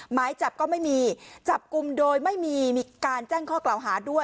หมายจับก็ไม่มีจับกลุ่มโดยไม่มีการแจ้งข้อกล่าวหาด้วย